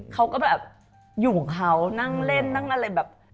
เขาก็แบบอยู่กับเขานั่งเล่นนั่งอะไรแบบ